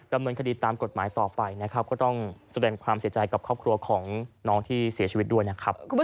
ดำเนินคดีตามกฎหมายต่อไปนะครับก็ต้องแสดงความเสียใจกับครอบครัวของน้องที่เสียชีวิตด้วยนะครับ